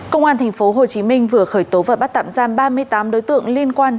công an tp hcm vừa khởi tố và bắt tạm giam ba mươi tám đối tượng liên quan